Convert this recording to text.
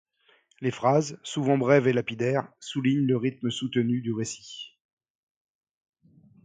Les phrases, souvent brèves et lapidaires, soulignent le rythme soutenu du récit.